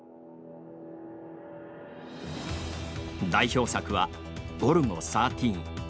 代表作は「ゴルゴ１３」。